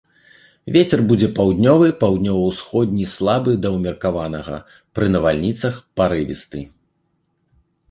Вецер будзе паўднёвы, паўднёва-ўсходні слабы да ўмеркаванага, пры навальніцах парывісты.